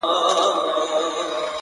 په دې فکر کي خورا په زړه افګار یو-